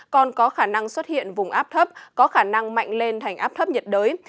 còn có khả năng xuất hiện vùng áp thấp có khả năng mạnh lên thành áp thấp nhiệt đới